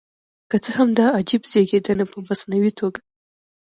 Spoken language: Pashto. که څه هم دا عجیب زېږېدنه په مصنوعي توګه.